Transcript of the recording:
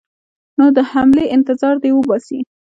نو د حملې انتظار دې وباسي.